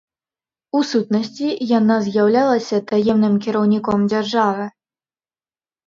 У сутнасці, яна з'яўлялася таемным кіраўніком дзяржавы.